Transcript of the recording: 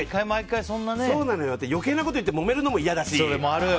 余計なこと言ってもめるのも嫌だし。